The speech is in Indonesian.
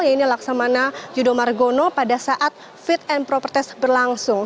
yaitu laksamana yudo margono pada saat fit and proper test berlangsung